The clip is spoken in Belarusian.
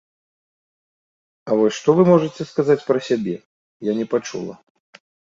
А вось што вы можаце сказаць пра сябе, я не пачула.